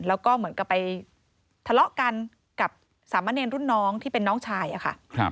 แล้วก็เหมือนกับไปทะเลาะกันกับสามะเนรรุ่นน้องที่เป็นน้องชายอะค่ะ